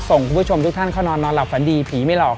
คุณผู้ชมทุกท่านเข้านอนนอนหลับฝันดีผีไม่หลอก